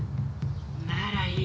ならいい。